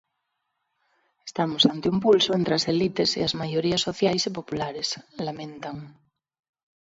Estamos ante un pulso entre as elites e as maiorías sociais e populares, lamentan.